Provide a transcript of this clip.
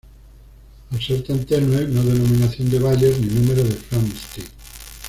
Al ser tan tenue no denominación de Bayer ni número de Flamsteed.